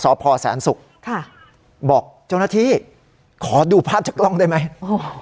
สพแสนศุกร์ค่ะบอกเจ้าหน้าที่ขอดูภาพจากกล้องได้ไหมโอ้โห